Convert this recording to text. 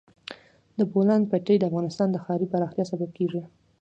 د بولان پټي د افغانستان د ښاري پراختیا سبب کېږي.